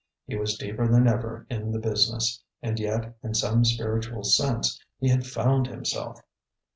He was deeper than ever in the business, and yet, in some spiritual sense, he had found himself.